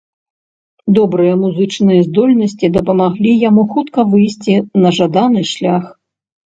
Добрыя музычныя здольнасці дапамаглі яму хутка выйсці на жаданы шлях.